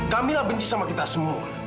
kamilah benci sama kita semua